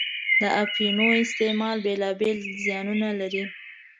د اپینو استعمال بېلا بېل زیانونه لري.